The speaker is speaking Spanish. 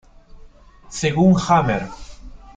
Según Hammer,